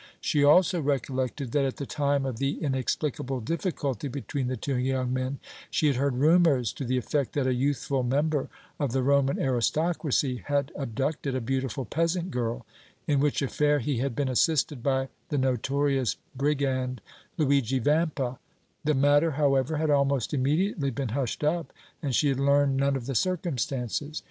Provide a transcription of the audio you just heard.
She also recollected that, at the time of the inexplicable difficulty between the two young men, she had heard rumors to the effect that a youthful member of the Roman aristocracy had abducted a beautiful peasant girl, in which affair he had been assisted by the notorious brigand Luigi Vampa; the matter, however, had almost immediately been hushed up and she had learned none of the circumstances.